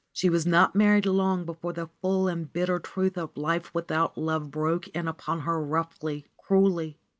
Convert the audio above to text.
She was not married long before the full and bitter truth of life without love broke in upon her roughly, cruelly.